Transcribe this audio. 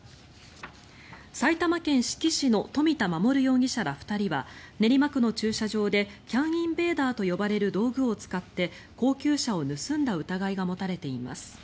埼玉県志木市の冨田守容疑者ら２人は練馬区の駐車場でＣＡＮインベーダーと呼ばれる道具を使って高級車を盗んだ疑いが持たれています。